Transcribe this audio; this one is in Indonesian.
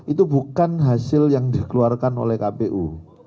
itu bukan hasil yang dikeluarkan oleh kpu